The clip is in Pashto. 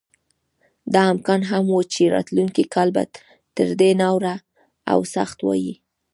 دا امکان هم و چې راتلونکی کال به تر دې ناوړه او سخت وای.